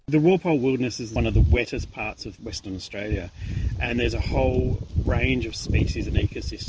dekatkan kembali ke waktu sebelum dinosaurus